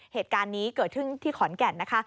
เหตุการณ์นี้เกิดขึ้นที่ขอนแก่นนะคะ